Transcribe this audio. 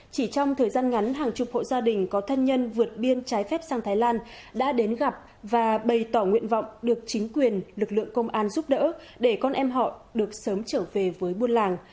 chỉ trong thời gian ngắn hàng chục hộ gia đình có thân nhân vượt biên trái phép sang thái lan đã đến gặp và bày tỏ nguyện vọng được chính quyền lực lượng công an giúp đỡ để con em họ được sớm trở về với buôn làng